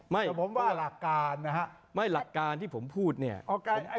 ไม่ผมว่าหลักการนะฮะไม่หลักการที่ผมพูดเนี่ย